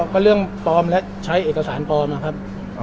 ก็เรื่องปลอมและใช้เอกสารปลอมนะครับ